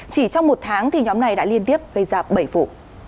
chỉ trong một tháng thì nhóm này đã liên tiếp gây ra bảy vụ